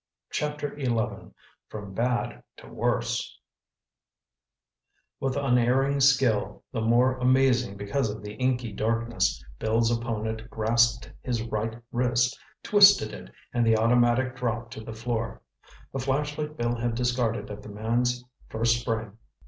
Chapter XI FROM BAD TO WORSE With unerring skill, the more amazing because of the inky darkness, Bill's opponent grasped his right wrist, twisted it and the automatic dropped to the floor. The flashlight Bill had discarded at the man's first spring.